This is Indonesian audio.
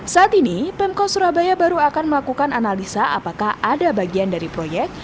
saat ini pemkot surabaya baru akan melakukan analisa apakah ada bagian dari proyek